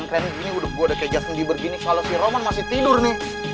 udah keren keren gini udah gue kayak jatuh tundi begini soalnya si roman masih tidur nih